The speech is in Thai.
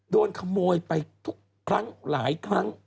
โดนขโมยไปทุกครั้งหลายครั้ง